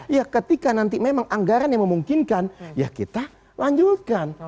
ya ketika nanti memang anggaran yang memungkinkan ya kita lanjutkan